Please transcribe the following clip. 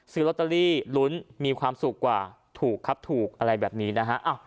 ซื้อลอตเตอรี่ลุ้นมีความสุขกว่าถูกครับถูกอะไรแบบนี้นะฮะ